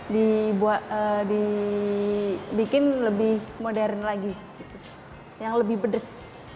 dibikin lebih modern lagi yang lebih pedas